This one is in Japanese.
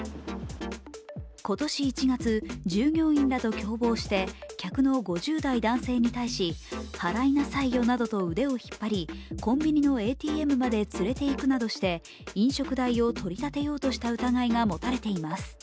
今年１月、従業員らと共謀して客の５０代の男性に対し払いなさいよなどと腕を引っ張りコンビニのＡＴＭまで連れて行くなどして、飲食代を取り立てようとした疑いが持たれています。